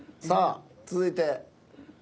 さあ続いて。